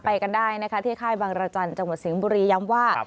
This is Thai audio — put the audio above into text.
ไปกันได้นะคะที่ค่ายบางรจันทร์จังหวัดสิงห์บุรีย้ำว่า